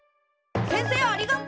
先生ありがとう！